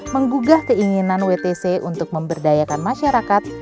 menggugah keinginan wtc untuk memberdayakan masyarakat